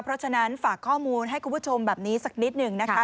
เพราะฉะนั้นฝากข้อมูลให้คุณผู้ชมแบบนี้สักนิดหนึ่งนะคะ